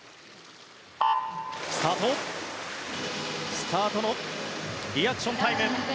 スタートのリアクションタイム。